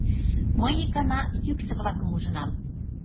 Мый ик гана йӱксӧ-влакым ужынам.